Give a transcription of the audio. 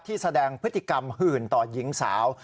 แสดงพฤติกรรมหื่นต่อหญิงสาว